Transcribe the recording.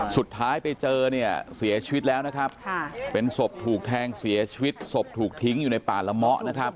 สุดท้ายไปเจอเสียชีวิตแล้วเป็นศพถูกแทงเสียชีวิตศพถูกทิ้งอยู่ในปาละมะ